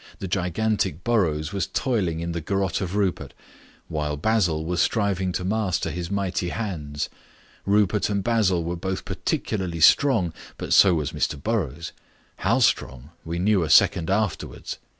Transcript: The gigantic Burrows was toiling in the garotte of Rupert, while Basil was striving to master his mighty hands. Rupert and Basil were both particularly strong, but so was Mr Burrows; how strong, we knew a second afterwards.